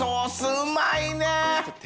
うまいね！